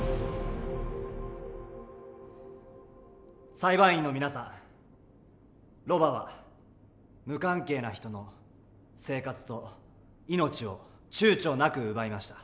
裁判員の皆さんロバは無関係な人の生活と命をちゅうちょなく奪いました。